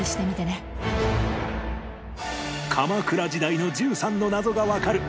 鎌倉時代の１３の謎がわかる！